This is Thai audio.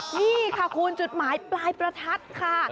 นี่ค่ะคุณจุดหมายปลายประทัดค่ะ